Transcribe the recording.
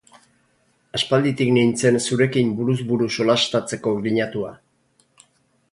Aspalditik nintzen zurekin buruz buru solastatzeko grinatua.